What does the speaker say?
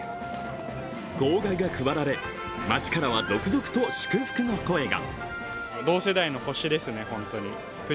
号外が配られ、街から続々と祝福の声が。